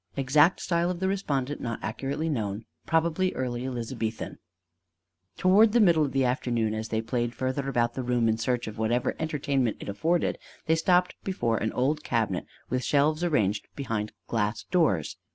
Exact style of the respondent not accurately known probably early Elizabethan. Toward the middle of the afternoon as they played further about the room in search of whatever entertainment it afforded, they stopped before an old cabinet with shelves arranged behind glass doors.